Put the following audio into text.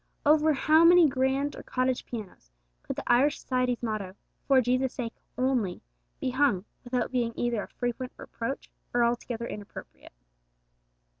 Over how many grand or cottage pianos could the Irish Society's motto, 'For Jesus' sake only,' be hung, without being either a frequent reproach, or altogether inappropriate?